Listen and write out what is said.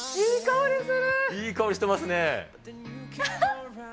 いい香りしてますね。